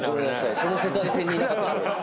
その世界線にいなかったです。